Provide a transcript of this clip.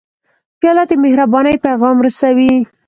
پیاله د مهربانۍ پیغام رسوي.